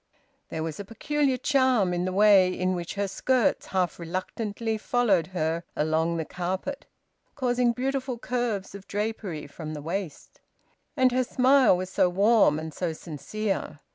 There was a peculiar charm in the way in which her skirts half reluctantly followed her along the carpet, causing beautiful curves of drapery from the waist. And her smile was so warm and so sincere!